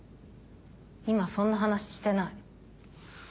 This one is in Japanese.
今そんな話してない。